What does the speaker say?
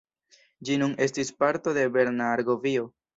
Ĝi nun estis parto de Berna Argovio.